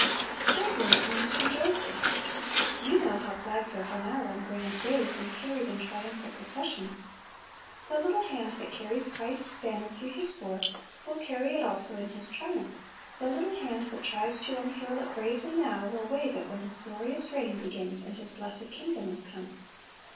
Thirdly, it means rejoicing. You know how flags are hung out on grand days, and carried in triumphal processions. The little hand that carries Christ's banner through His war, will carry it also in His triumph; the little hand that tries to unfurl it bravely now, will wave it when His glorious reign begins and His blessed kingdom is come.